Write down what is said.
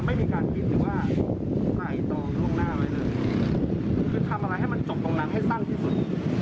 ไม่มีการกินหรือว่าหายตองล่วงหน้าไว้เลยคือทำอะไรให้มันจบตรงนั้นให้สั้นที่สุด